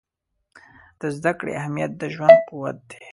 د زده کړې اهمیت د ژوند قوت دی.